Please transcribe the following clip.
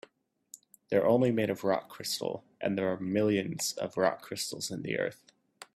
They're only made of rock crystal, and there are millions of rock crystals in the earth.